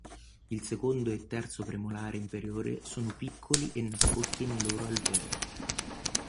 Il secondo e terzo premolare inferiore sono piccoli e nascosti nei loro alveoli.